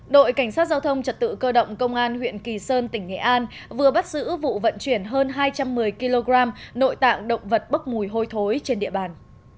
đội cảnh sát giao thông trật tự cơ động công an huyện kỳ sơn tỉnh nghệ an vừa bắt giữ vụ vận chuyển hơn hai trăm một mươi kg nội tạng động vật bốc mùi hôi thối trên địa bàn